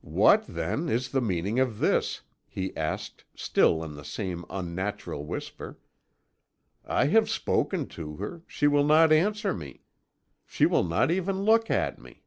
"'What, then, is the meaning of this?' he asked, still in the same unnatural whisper. 'I have spoken to her she will not answer me. She will not even look at me!'